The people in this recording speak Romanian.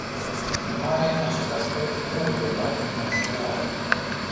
Prin urmare, acest aspect trebuie luat în considerare.